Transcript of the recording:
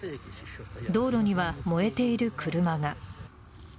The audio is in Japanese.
道路には燃えている車が。